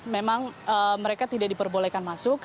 memang mereka tidak diperbolehkan masuk